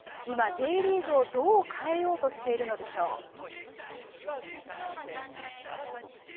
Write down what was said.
今、Ｊリーグをどう変えようとしているのでしょうか。